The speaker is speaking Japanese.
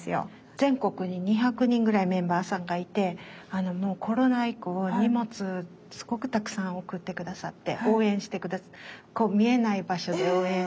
全国に２００人ぐらいメンバーさんがいてコロナ以降荷物すごくたくさん送って下さって応援して下さっ見えない場所で応援を。